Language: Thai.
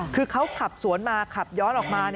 คือเขาขับสวนมาขับย้อนออกมา